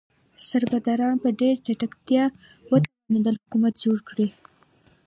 سربداران په ډیره چټکتیا وتوانیدل حکومت جوړ کړي.